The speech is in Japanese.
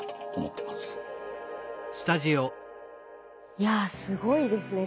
いやすごいですね